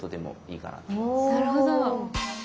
なるほど。